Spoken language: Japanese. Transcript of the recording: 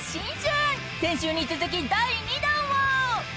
［先週に続き第２弾は］